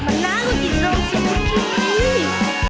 มันน้าก็ดินร่มสิ่งที่มี